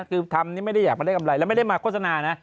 คือทำนี่ไม่ได้อยากมาได้กำไรแล้วไม่ได้มาโฆษณานะ